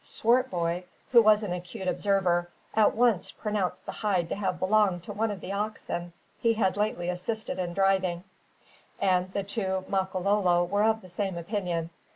Swartboy, who was an acute observer, at once pronounced the hide to have belonged to one of the oxen he had lately assisted in driving; and the two Makololo were of the same opinion.